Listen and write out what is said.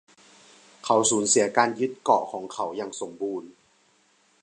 เขาสูญเสียการยึดเกาะของเขาอย่างสมบูรณ์